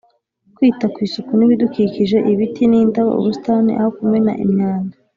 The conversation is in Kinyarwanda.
kwita ku isuku n’ibidukikije ibiti n’indabo, ubusitani, aho kumena imyanda